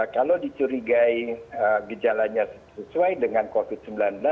kalau dicurigai gejalanya sesuai dengan covid sembilan belas